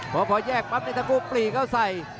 เพราะพอแยกปั๊บในตะกูปลีเข้าใส่